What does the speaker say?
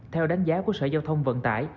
theo đánh giá của sở giao thông vận tải